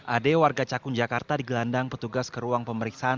ade warga cakun jakarta di gelandang petugas ke ruang pemeriksaan